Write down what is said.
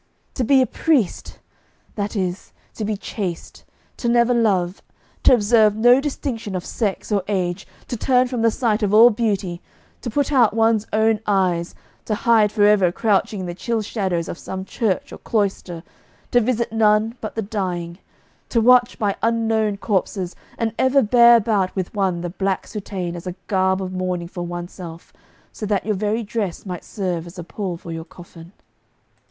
To be a priest! that is, to be chaste, to never love, to observe no distinction of sex or age, to turn from the sight of all beauty, to put out one's own eyes, to hide for ever crouching in the chill shadows of some church or cloister, to visit none but the dying, to watch by unknown corpses, and ever bear about with one the black soutane as a garb of mourning for oneself, so that your very dress might serve as a pall for your coffin.